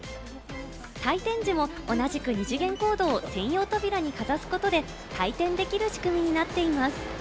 退店時も同じく二次元コードを専用扉にかざすことで、退店できる仕組みになっています。